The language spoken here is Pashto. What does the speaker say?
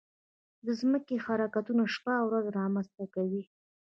د ځمکې حرکتونه شپه او ورځ رامنځته کوي.